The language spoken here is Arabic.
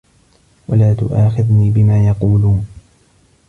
وَلَا تُؤَاخِذْنِي بِمَا يَقُولُونَ